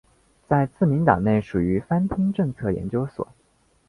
在自民党内属于番町政策研究所。